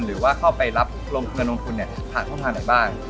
หรือว่าเข้าไปรับเงินลงทุนผ่านช่องทางไหนบ้าง